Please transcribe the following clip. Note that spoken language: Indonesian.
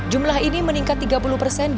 jumlah ini meningkat tiga puluh persen